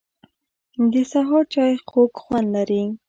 د سهار چای خوږ خوند لري